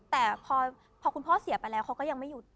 แต่พอคุณพ่อเสียไปแล้วเขาก็ยังไม่หยุด